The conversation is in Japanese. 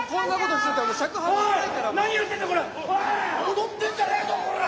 踊ってんじゃねえぞこら！